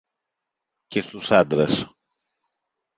Και στους άντρες